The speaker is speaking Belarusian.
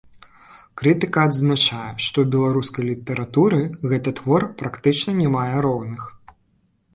Крытыка адзначае, што ў беларускай літаратуры гэты твор практычна не мае роўных.